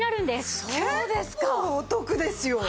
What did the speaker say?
結構お得ですよ。